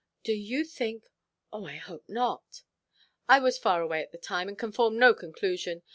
Do you think—oh, I hope not——" "I was far away at the time, and can form no conclusion.